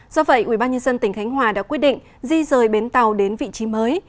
do vậy ubnd tỉnh khánh hòa đã quyết định di rời bến tàu đến vị trí mới